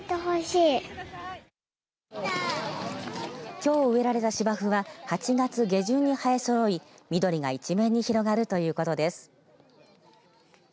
きょう植えられた芝生は８月下旬に生えそろい緑が一面に広がるということです。